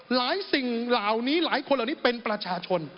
สิ่งเหล่านี้หลายคนเหล่านี้เป็นประชาชน